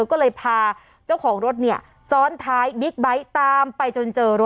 ก็เลยพาเจ้าของรถเนี่ยซ้อนท้ายบิ๊กไบท์ตามไปจนเจอรถ